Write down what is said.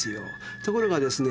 ところがですね